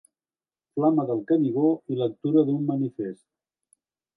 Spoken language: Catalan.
Flama del Canigó i lectura d'un manifest.